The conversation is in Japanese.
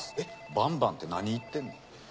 バンバンって何言ってんの？